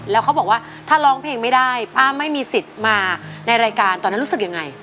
แล้วเขาบอกว่าถ้าร้องเพลงไม่ได้ป้าไม่มีสิทธิ์มาในรายการตอนนั้นรู้สึกยังไง